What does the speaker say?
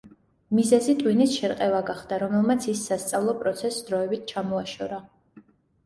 მიზეზი ტვინის შერყევა გახდა, რომელმაც ის სასწავლო პროცესს დროებით ჩამოაშორა.